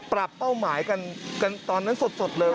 เป้าหมายกันตอนนั้นสดเลย